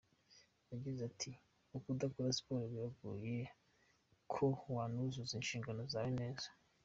Yagize ati "Udakora siporo biragoye ko wanuzuza inshingano zawe neza.